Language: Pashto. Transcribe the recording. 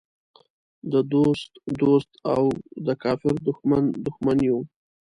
د دوست دوست او د کافر دښمن دښمن یو.